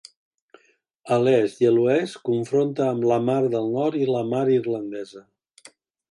A l'est i a l'oest confronta amb la mar del nord i la mar irlandesa.